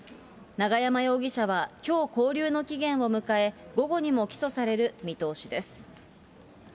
永山容疑者はきょう、勾留の期限を迎え、午後にも起訴される見通しです。